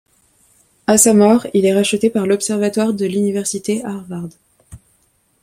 À sa mort il est racheté par l'observatoire de l'université Harvard.